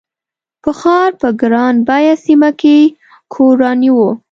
په ښار په ګران بیه سیمه کې کور رانیوه.